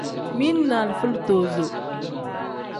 Mili ni alifa litozo.